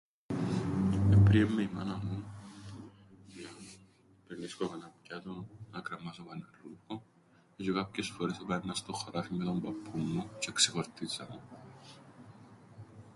Έπρηεν με η μάνα μου να πλυννίσκω κανέναν πιάτον, να κρεμμάζω κανέναν ρούχον, τζ̆αι κάποιες φορές επάαιννα στο χωράφιν με τον παππούν μου τζ̆αι εξιχορτίζαμεν.